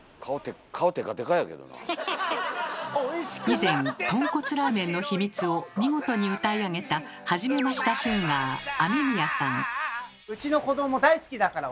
以前とんこつラーメンの秘密を見事に歌い上げたはじめましたシンガーＡＭＥＭＩＹＡさん。